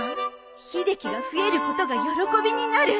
秀樹が増えることが喜びになる。